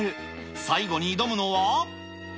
最後に挑むのは。